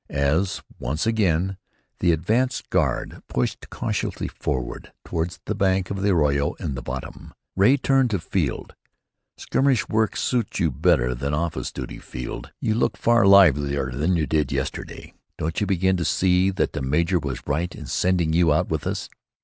As once again the advance guard pushed cautiously forward toward the banks of the arroyo in the bottom, Ray turned to Field. "Skirmish work suits you better than office duty, Field. You look far livelier than you did yesterday. Don't you begin to see that the major was right in sending you out with us?"